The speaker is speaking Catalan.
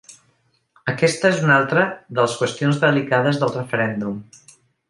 Aquesta és una altra de les qüestions delicades del referèndum.